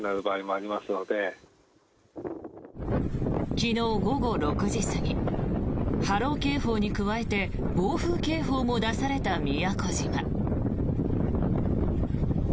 昨日午後６時過ぎ波浪警報に加えて暴風警報も出された宮古島。